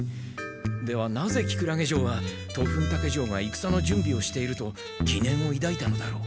ではなぜキクラゲ城はトフンタケ城がいくさの準備をしていると疑念をいだいたのだろう？